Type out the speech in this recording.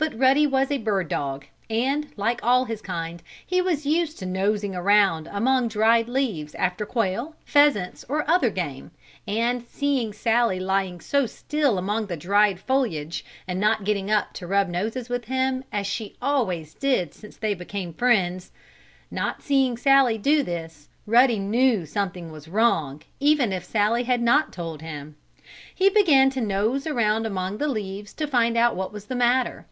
But Ruddy was a bird dog, and, like all his kind, he was used to nosing around among dried leaves after quail, pheasants or other game, and, seeing Sallie lying so still among the dried foliage, and not getting up to rub noses with him, as she always did since they became friends not seeing Sallie do this, Ruddy knew something was wrong, even if Sallie had not told him. He began to nose around among the leaves to find out what was the matter.